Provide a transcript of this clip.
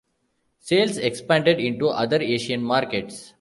Sales expanded into other Asian markets.